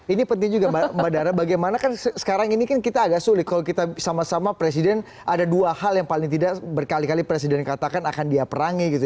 ini penting juga mbak dara bagaimana kan sekarang ini kan kita agak sulit kalau kita sama sama presiden ada dua hal yang paling tidak berkali kali presiden katakan akan dia perangi gitu